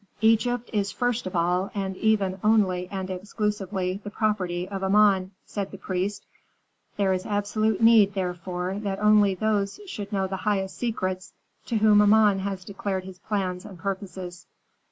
"Egypt is first of all, and even only and exclusively, the property of Amon," said the priest. "There is absolute need, therefore, that only those should know the highest secrets to whom Amon has declared his plans and purposes."